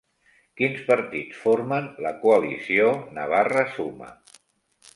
Quins partits formen la coalició Navarra Suma?